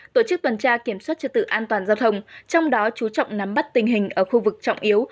tổ chức tuần tra kiểm soát trật tự an toàn giao thông trong đó chú trọng nắm bắt tình hình ở khu vực trọng yếu